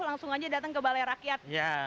langsung aja datang ke balai rakyat